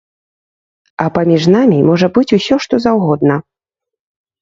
А паміж намі можа быць усё што заўгодна.